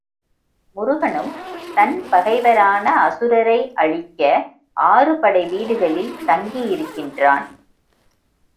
முருகனும் தன் பகைவரான அசுரரை அழிக்க ஆறு படைவீடுகளில் தங்கியிருக்கின்றான்.